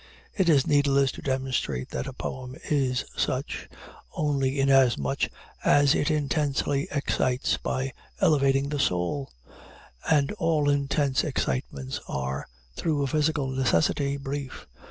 It is needless to demonstrate that a poem is such, only inasmuch as it intensely excites, by elevating, the soul; and all intense excitements are, through a psychal necessity, brief.